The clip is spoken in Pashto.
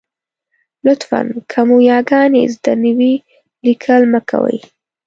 لطفاً! که مو یاګانې زده نه وي، لیکل مه کوئ.